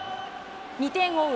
２点を追う